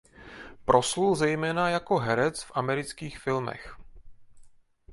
Proslul zejména jako herec v amerických filmech.